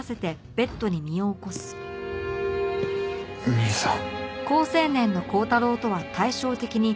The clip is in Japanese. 兄さん。